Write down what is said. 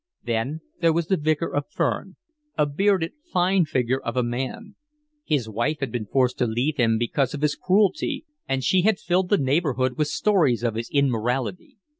Then there was the Vicar of Ferne, a bearded, fine figure of a man: his wife had been forced to leave him because of his cruelty, and she had filled the neighbourhood with stories of his immorality.